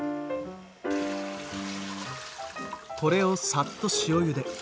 これをさっと塩ゆで。